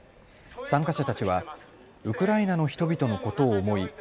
参加者たちはウクライナの人々のことを思い